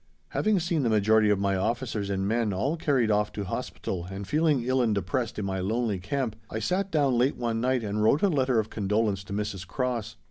Having seen the majority of my officers and men all carried off to Hospital, and feeling ill and depressed in my lonely camp, I sat down late one night and wrote a letter of condolence to Mrs. Cross.